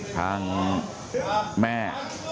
ทางแม่